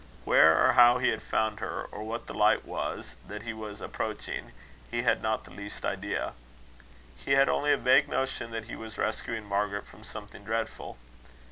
Where or how he had found her, or what the light was that he was approaching, he had not the least idea. He had only a vague notion that he was rescuing Margaret from something dreadful.